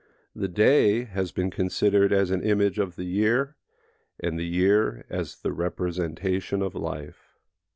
The day has been considered as an image of the year, and the year as the representation of life.